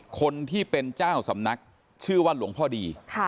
คนที่เป็นเจ้าสำนักชื่อว่าหลวงพ่อดี